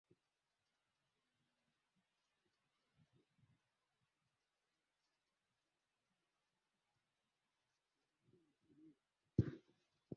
dano hizi zipatazo milioni ishirini huambukiza virusi vya ukimwi kwa nini